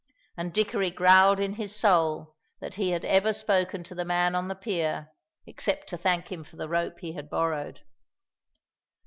And Dickory growled in his soul that he had ever spoken to the man on the pier, except to thank him for the rope he had borrowed.